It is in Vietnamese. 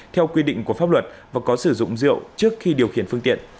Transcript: theo quy định của pháp luật và có sử dụng rượu trước khi điều khiển phương tiện